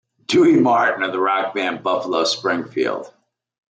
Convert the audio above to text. Dewey Martin of the rock band Buffalo Springfield.